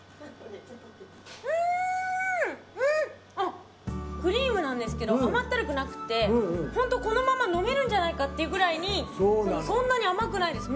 うん、クリームなんですけど甘ったるくなくて本当、このまま飲めるんじゃないかってくらいにそんなに甘くないです。